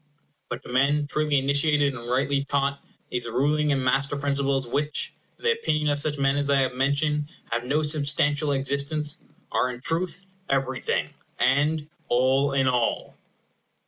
But to men truly initiated and rightly taught, these ruling and master principles which, in the opinion of such men as I have mentioned, have no substantial existence, are in truth everything, and all in all.